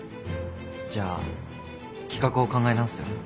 じゃあ企画を考え直すよ。